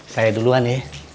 saya duluan ya